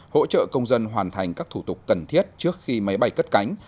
hỗ trợ công dân hoàn thành các thủ tục cần thiết trước khi máy bay cất cánh